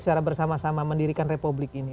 secara bersama sama mendirikan republik ini